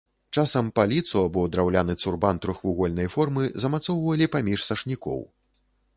Часам паліцу або драўляны цурбан трохвугольнай формы замацоўвалі паміж сашнікоў.